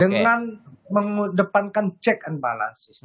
dengan mengedepankan check and balances